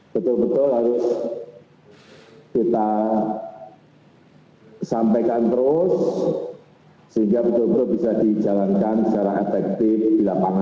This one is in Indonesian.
betul betul harus kita sampaikan terus sehingga betul betul bisa dijalankan secara efektif di lapangan